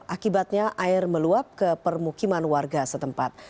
akibatnya air meluap ke permukiman warga setempat